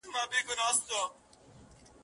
ما په تمه د درملو ورته عُمر دی خوړلی